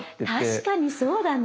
確かにそうだね。